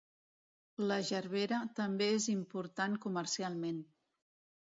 La gerbera també és important comercialment.